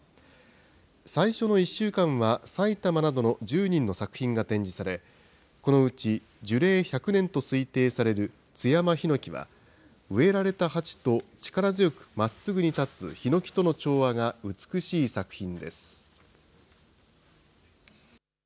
最初の１週間は、埼玉などの１０人の作品が展示され、このうち樹齢１００年と推定される津山檜は、植えられた鉢と力強くまっすぐに立つひのきとの調和が美しい作品です。